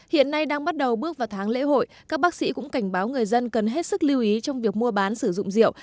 hiện nay đang bắt đầu bước vào tháng lễ hội các bác sĩ cũng cảnh báo người dân cần hết sức lưu ý trong việc mua bán sử dụng rượu